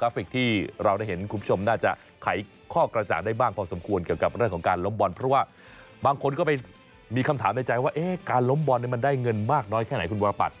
กราฟิกที่เราได้เห็นคุณผู้ชมน่าจะไขข้อกระจ่างได้บ้างพอสมควรเกี่ยวกับเรื่องของการล้มบอลเพราะว่าบางคนก็ไปมีคำถามในใจว่าการล้มบอลมันได้เงินมากน้อยแค่ไหนคุณวรปัตร